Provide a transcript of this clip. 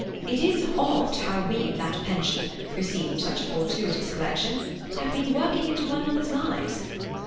It is odd how we of that pension, who seemed such a fortuitous collection, have been working into one another's lives.